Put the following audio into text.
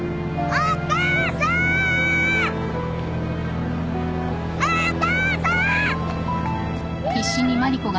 お母さーん！